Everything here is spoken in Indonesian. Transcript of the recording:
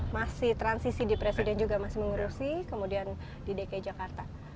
masih transisi di presiden juga masih mengurusi kemudian di dki jakarta